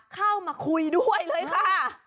เข้ามาคุยด้วยเลยค่ะ